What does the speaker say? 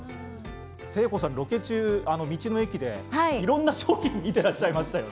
誠子さん、ロケ中、道の駅でいろいろな商品を見ていらっしゃいましてね。